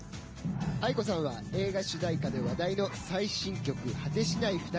ａｉｋｏさんは映画主題歌で話題の最新曲「果てしない二人」